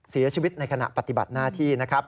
เสียชีวิตในขณะปฏิบัติหน้าที่นะครับ